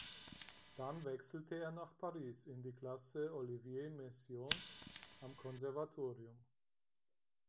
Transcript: Dann wechselte er nach Paris in die Klasse Olivier Messiaens am Konservatorium.